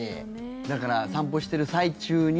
だから散歩してる最中に。